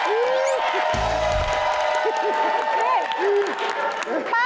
นี่